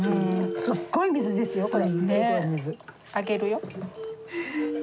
すっごい水ですよこれ。